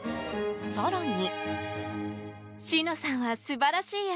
更に。